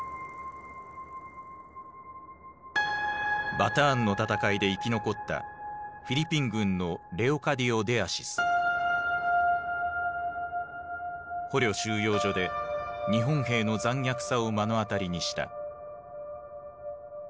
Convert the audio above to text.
バターンの戦いで生き残った捕虜収容所で日本兵の残虐さを目の当たりにした。